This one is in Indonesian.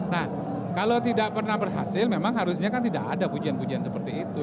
nah kalau tidak pernah berhasil memang harusnya kan tidak ada pujian pujian seperti itu